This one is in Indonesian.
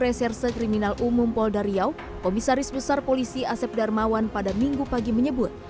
reserse kriminal umum polda riau komisaris besar polisi asep darmawan pada minggu pagi menyebut